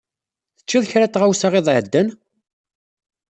Teččiḍ kra n tɣawsa iḍ iɛeddan?